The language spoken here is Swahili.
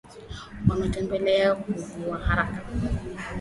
matembele huiva haraka